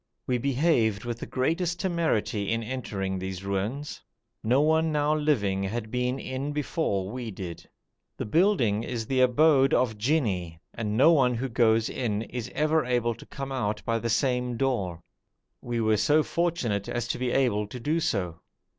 We behaved with the greatest temerity in entering these ruins; no one now living had been in before we did. The building is the abode of jinni, and no one who goes in is ever able to come out by the same door. We were so fortunate as to be able to do so.